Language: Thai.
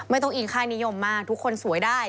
ไม่ต้องอิ่งค่านิยมมากทุกคนสวยได้